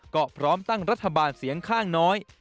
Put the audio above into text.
ก็พร้อมตั้งรัฐบาลเสียงข้างน้อย